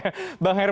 baik bang nia